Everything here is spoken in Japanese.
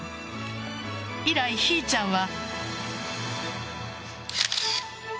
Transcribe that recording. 以来、ひーちゃんは。